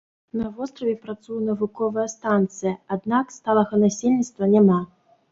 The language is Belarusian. На востраве працуе навуковая станцыя, аднак сталага насельніцтва няма.